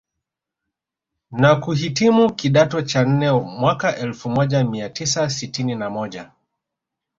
Na kuhitimu kidato cha nne mwaka elfu moja mia tisa sitini na moja